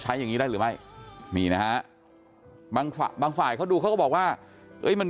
อย่างนี้ได้หรือไม่นี่นะฮะบางฝ่ายเขาดูเขาก็บอกว่าเอ้ยมัน